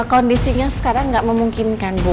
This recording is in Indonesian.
kondisinya sekarang nggak memungkinkan bu